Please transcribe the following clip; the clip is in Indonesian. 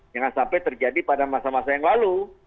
jangan sampai terjadi pada masa masa yang lalu